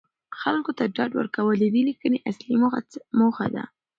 خلکو ته ډاډ ورکول د دې لیکنې اصلي موخه ده.